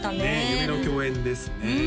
夢の共演ですね